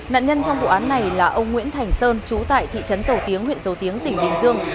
nạn nhân trong vụ án này là ông nguyễn thành sơn trú tại thị trấn dầu tiếng huyện dầu tiếng tỉnh bình dương